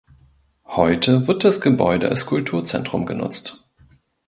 Heute wird das Gebäude als Kulturzentrum genutzt.